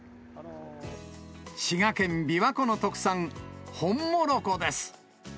滋賀県琵琶湖の特産、ホンモロコです。